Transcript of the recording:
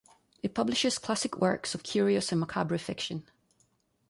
It publishes classic works of curious and macabre fiction.